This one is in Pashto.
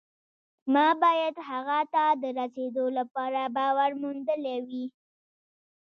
ما باید هغه ته د رسېدو لپاره باور موندلی وي